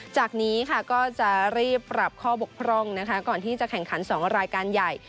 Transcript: จากนี้ค่ะก็จะรีบปรับข้อบกพร่องนะคะก่อนที่จะแข่งขัน๒รายการใหญ่